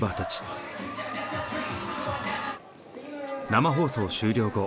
生放送終了後。